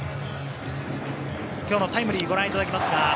今日のタイムリーをご覧いただきます。